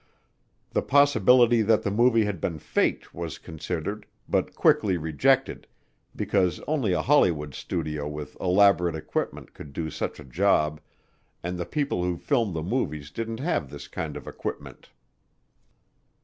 The possibility that the movie had been faked was considered but quickly rejected because only a Hollywood studio with elaborate equipment could do such a job and the people who filmed the movies didn't have this kind of equipment.